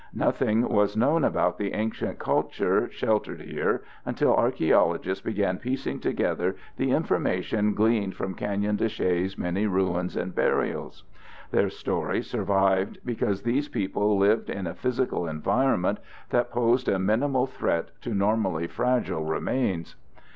Nothing was known about the ancient culture sheltered here until archeologists began piecing together the information gleaned from Canyon de Chelly's many ruins and burials. Their story survived because these people lived in a physical environment that posed a minimal threat to normally fragile remains.